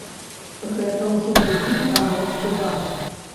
Гэта ўжо другі перанос суда.